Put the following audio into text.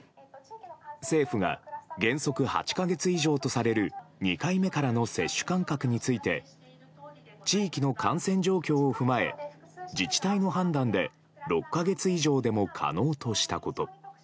政府が原則８か月以上とされる、２回目からの接種間隔について、地域の感染状況を踏まえ、自治体の判断で、６か月以上でも可能としたこと。